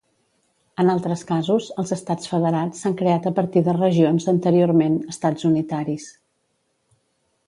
En altres casos, els estats federats s'han creat a partir de regions anteriorment estats unitaris.